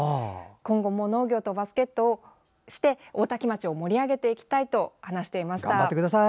今後も農業とバスケットをして大多喜町を盛り上げていきたいと話していました。